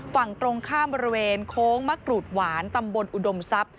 ฝั่งตรงข้ามบริเวณโค้งมะกรูดหวานตำบลอุดมทรัพย์